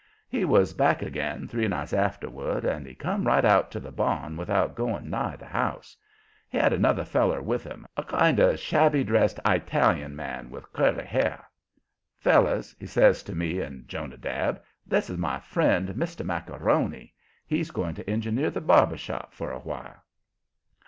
He was back again three nights afterward, and he come right out to the barn without going nigh the house. He had another feller with him, a kind of shabby dressed Italian man with curly hair. "Fellers," he says to me and Jonadab, "this is my friend, Mr. Macaroni; he's going to engineer the barber shop for a while."